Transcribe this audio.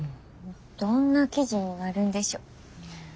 どんな記事になるんでしょ。